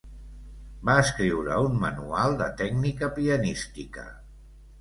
Va escriure un manual de tècnica pianística.